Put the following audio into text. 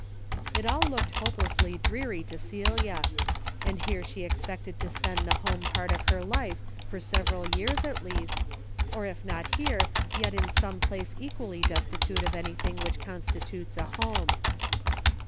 It all looked hopelessly dreary to Celia. And here she expected to spend the home part of her life for several years at least, or if not here, yet in some place equally destitute of anything which constitutes a home.